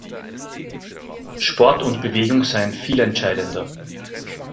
Sport und Bewegung seien viel entscheidender.